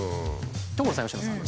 所さん佳乃さん。